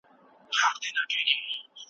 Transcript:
نا امني د خلګو د ژوند هیله کمه کړې ده.